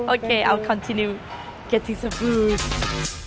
โอเคมานี่ไอคอนสียาม๖ตัวแล้วพี่